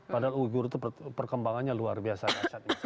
padahal uyghur itu perkembangannya luar biasa rasyat